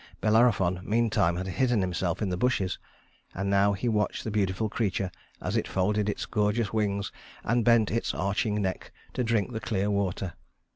Bellerophon meantime had hidden himself in the bushes, and now he watched the beautiful creature as it folded its gorgeous wings and bent its arching neck to drink the clear water.